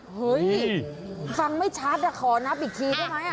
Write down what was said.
เฮ้ยฟังไม่ชัดขอนับอีกทีได้ไหม